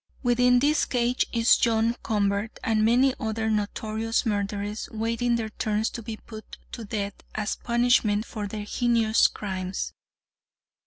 Within this cage is John Convert and many other notorious murderers, waiting their turns to be put to death as punishment for their heinous crimes.